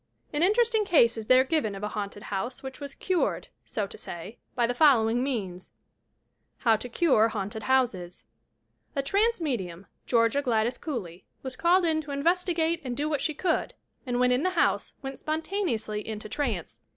An interesting case is there given of a haunted house which was "cured," bo to say, by the following means : HOW TO "cure" haunted HOUSES A trance medium, Georgia Gladys Cooley, was called in to investigate and do what she could, and, when in the house, went spontaneously into trance.